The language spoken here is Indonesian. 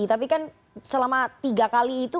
tapi kan selama tiga kali itu